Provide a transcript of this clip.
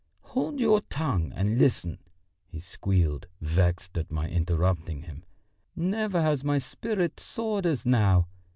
"Hold your tongue and listen!" he squealed, vexed at my interrupting him. "Never has my spirit soared as now.